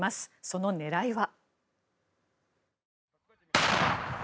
その狙いは。